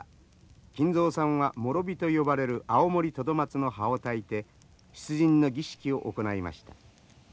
金蔵さんはもろ火と呼ばれるアオモリトドマツの葉をたいて出陣の儀式を行いました。